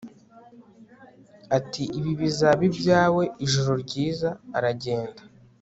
Ati Ibi bizaba ibyawe Ijoro ryiza aragenda